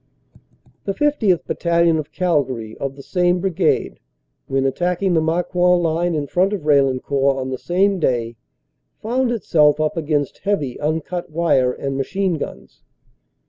The 50th. Battalion, of Calgary, of the same Brigade, when attacking the Marcoing line in front of Raillencourt on the same day, found itself up against heavy uncut wire and machine guns.